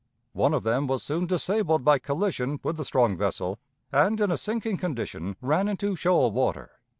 One of them was soon disabled by collision with the strong vessel, and in a sinking condition ran into shoal water.